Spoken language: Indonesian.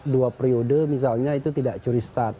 dua periode misalnya itu tidak curi start